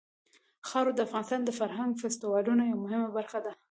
خاوره د افغانستان د فرهنګي فستیوالونو یوه مهمه برخه ده.